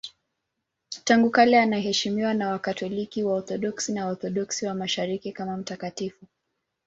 Tangu kale anaheshimiwa na Wakatoliki, Waorthodoksi na Waorthodoksi wa Mashariki kama mtakatifu.